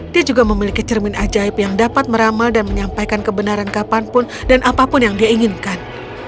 dia juga memiliki cermin ajaib yang dapat meramal dan menyampaikan kebenaran kapanpun dan apapun yang dia inginkan